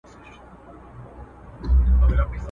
هم پخپله څاه کینو هم پکښي لوېږو.